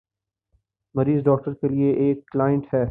مریض ڈاکٹر کے لیے ایک "کلائنٹ" ہے۔